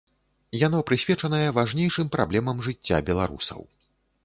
Яно прысвечанае важнейшым праблемам жыцця беларусаў.